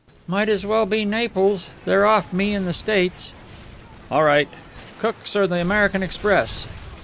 "Might as well be Naples. They're off me in the States." "All right. Cook's or the American Express?"